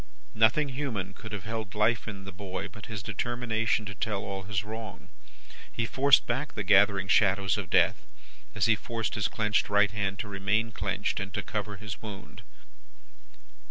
"Nothing human could have held life in the boy but his determination to tell all his wrong. He forced back the gathering shadows of death, as he forced his clenched right hand to remain clenched, and to cover his wound.